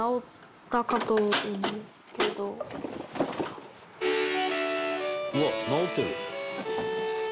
「うわっ直ってる！」